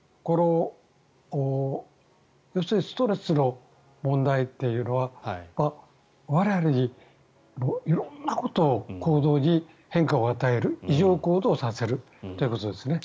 要するにストレスの問題というのは我々に色んなことを行動に変化を与える異常行動をさせるということです。